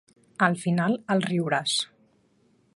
Al final el riuràs.